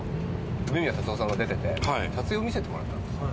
梅宮辰夫さんが出てて撮影を見せてもらったんですよ。